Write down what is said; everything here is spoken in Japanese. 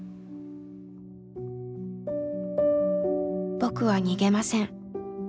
「僕は逃げません」。